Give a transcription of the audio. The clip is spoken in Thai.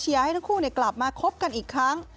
ให้ทั้งคู่กลับมาคบกันอีกครั้ง